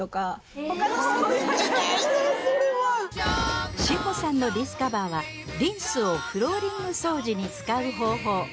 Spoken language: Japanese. それはしほさんのディスカバーはリンスをフローリング掃除に使う方法